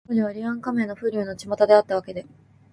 当時は、柳暗花明の風流のちまたであったわけで、